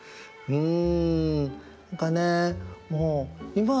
うん。